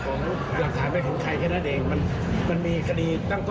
มันมีคดีตั้งต้นหนึ่งก็ไปส่องเฉียมกับใหญ่ตรงไป